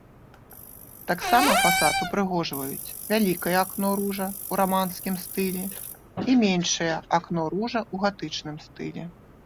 Таксама фасад упрыгожваюць вялікае акно-ружа ў раманскім стылі і меншае акно-ружа ў гатычным стылі.